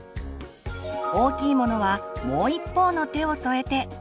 大きいものはもう一方の手を添えて。